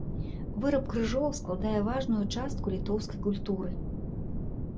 Выраб крыжоў складае важную частку літоўскай культуры.